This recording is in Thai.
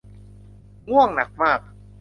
ง่วงหนักมาก